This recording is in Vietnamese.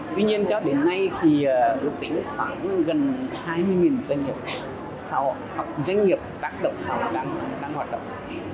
tuy nhiên cho đến nay thì ước tính khoảng gần hai mươi doanh nghiệp tác động xã hội đang hoạt động